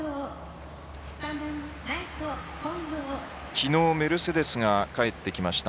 きのうメルセデスが帰ってきました。